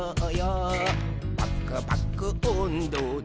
「パクパクおんどで」